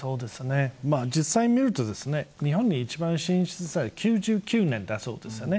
実際に見ると日本で一番進出したのは９９年だそうです。